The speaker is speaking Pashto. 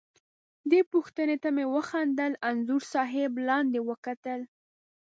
دې پوښتنې ته مې وخندل، انځور صاحب لاندې وکتل.